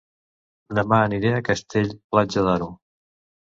Dema aniré a Castell-Platja d'Aro